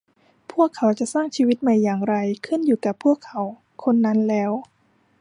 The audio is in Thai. พวกเขาจะสร้างชีวิตใหม่อย่างไร ขึ้นอยู่กับ พวกเขาคนนั้นแล้ว